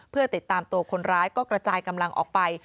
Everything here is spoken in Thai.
เพื่อติดตามตัวคนร้ายก็กระจายกำลังออกไป